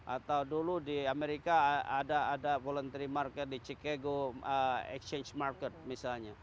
atau dulu di amerika ada voluntary market di chicago exchange market misalnya